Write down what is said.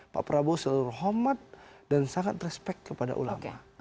pak prabowo selalu hormat dan sangat respect kepada ulama